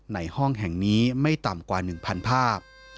ในห้องแห่งนี้ไม่ต่ำกว่า๑๐๐ภาพ